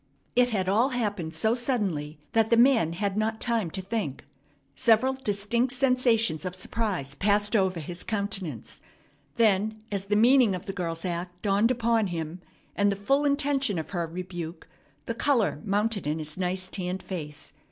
It had all happened so suddenly that the man had not time to think. Several distinct sensations of surprise passed over his countenance. Then, as the meaning of the girl's act dawned upon him, and the full intention of her rebuke, the color mounted in his nice, tanned face.